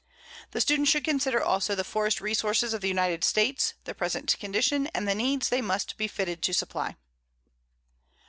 The student should consider also the forest resources of the United States, their present condition, and the needs they must be fitted to supply.